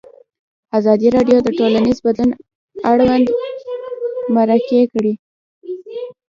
ازادي راډیو د ټولنیز بدلون اړوند مرکې کړي.